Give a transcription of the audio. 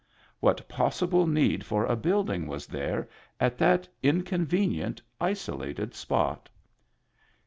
What possible need for a building was there at that inconvenient, isolated spot?